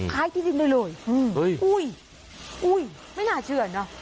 ขายที่ดินได้เลยโอ้ยอย่าเชื่อนนะ